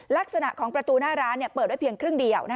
ลักษณะของประตูหน้าร้านเปิดไว้เพียงครึ่งเดียว